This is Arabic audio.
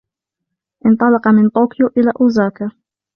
انطلقَ من طوكيو إلى أوزاكا.